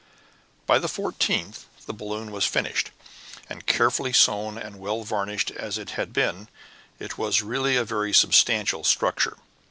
By the 14th the balloon was finished, and, carefully sewn and well varnished as it had been, it was really a very substantial structure.